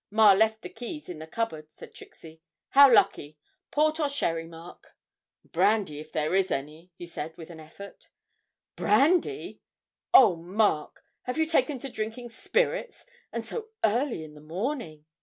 'Ma left the keys in the cupboard,' said Trixie; 'how lucky! port or sherry, Mark?' 'Brandy, if there is any,' he said, with an effort. 'Brandy! oh, Mark, have you taken to drinking spirits, and so early in the morning?'